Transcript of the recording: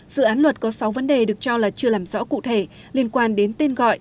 dự án luật có sáu vấn đề được cho là chưa làm rõ cụ thể liên quan đến tên gọi